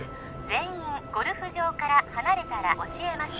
全員ゴルフ場から離れたら教えます